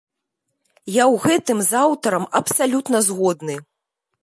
Я ў гэтым з аўтарам абсалютна згодны.